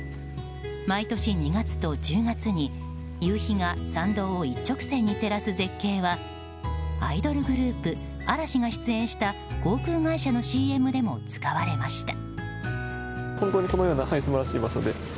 毎年２月と１０月に夕日が参道を一直線に照らす絶景はアイドルグループ嵐が出演した航空会社のＣＭでも使われました。